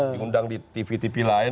diundang di tv tv lain